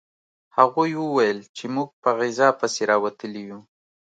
هغوی وویل چې موږ په غذا پسې راوتلي یو